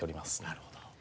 なるほど。